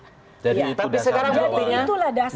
tapi sekarang buktinya mayoritas mendukung pak oso